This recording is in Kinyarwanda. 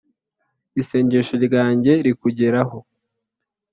isengesho ryanjye rikugeraho